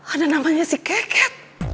ada namanya si keket